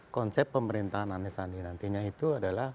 konsep pemerintahan anies sandi nantinya itu adalah